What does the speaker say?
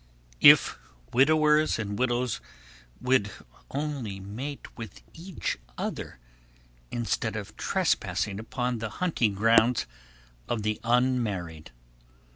If widowers and widows would only mate with each other, instead of trespassing upon the hunting grounds of the unmarried!